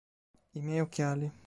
I miei occhiali!".